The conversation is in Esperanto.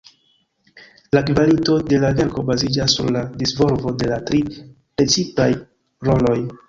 La kvalito de la verko baziĝas sur la disvolvo de la tri precipaj roloj.